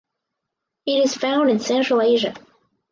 It is found in Central Asia.